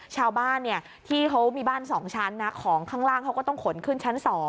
ชาวบ้านที่เขามีบ้าน๒ชั้นนะของข้างล่างเขาก็ต้องขนขึ้นชั้น๒